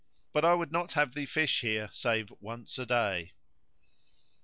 But I would not have thee fish here save once a day."